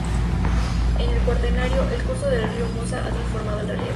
En el Cuaternario, el curso del río Mosa ha transformado el relieve.